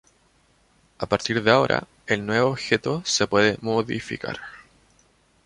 A partir de ahora, el nuevo objeto se puede modificar.